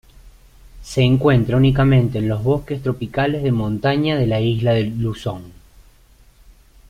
Se encuentra únicamente en los bosques tropicales de montaña de la isla de Luzón.